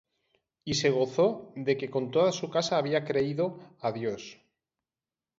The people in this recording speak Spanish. y se gozó de que con toda su casa había creído á Dios.